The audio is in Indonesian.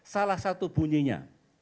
salah satu bunyinya